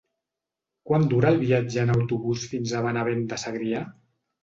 Quant dura el viatge en autobús fins a Benavent de Segrià?